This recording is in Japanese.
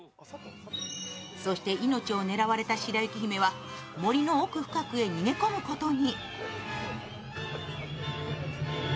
そして命を狙われた白雪姫は森の奥深くへ逃げ込むことに。